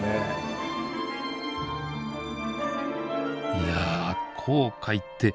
いや紅海って